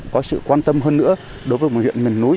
có sự quan tâm hơn nữa đối với huyện mền núi